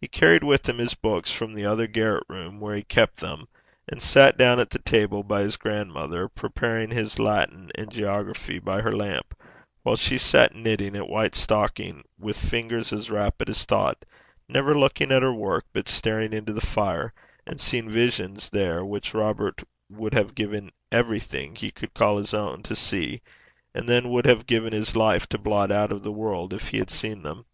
He carried with him his books from the other garret room where he kept them, and sat down at the table by his grandmother, preparing his Latin and geography by her lamp, while she sat knitting a white stocking with fingers as rapid as thought, never looking at her work, but staring into the fire, and seeing visions there which Robert would have given everything he could call his own to see, and then would have given his life to blot out of the world if he had seen them.